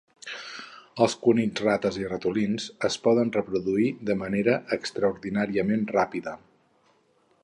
Els conills, rates i ratolins es poden reproduir de manera extraordinàriament ràpida.